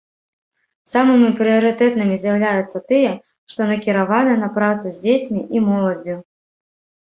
Самымі прыярытэтнымі з'яўляюцца тыя, што накіраваны на працу з дзецьмі і моладдзю.